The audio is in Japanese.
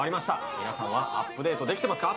皆さんはアップデートできてますか？